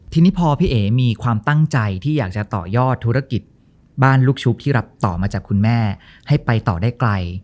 ทีนี้พอพี่เอ๋มีความตั้งใจที่อยากจะต่อยอดธุรกิจบ้านลูกชุบที่รับต่อมาจากคุณแม่ให้ไปต่อได้ไกล